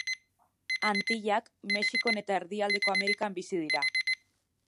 Antillak, Mexikon eta Erdialdeko Amerikan bizi dira.